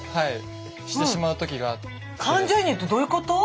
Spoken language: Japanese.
感情移入ってどういうこと？